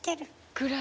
暗い。